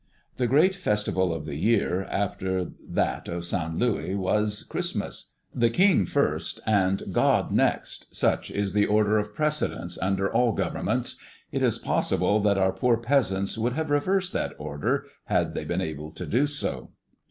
The great festival of the year, after that of Saint Louis, was Christmas. The King first and God next, such is the order of precedence under all governments. It is possible that our poor peasants would have reversed that order had they been able to do so.